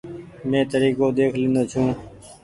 مين تريڪو ۮيک لينو ڇون ۔